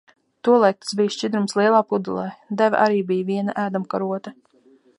Tolaik tas bija šķidrums lielā pudelē. Deva arī bija viena ēdamkarote.